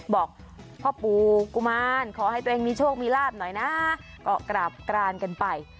บอกพ่อปู่กุมารขอให้ตัวเองมีโชคมีลาบหน่อยนะก็กราบกรานกันไป